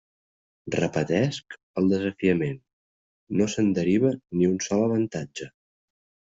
Repetesc el desafiament; no se'n deriva ni un sol avantatge.